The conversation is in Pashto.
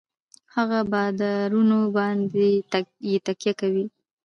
هـغـه بـادارنـو بـانـدې يـې تکيـه کـوي.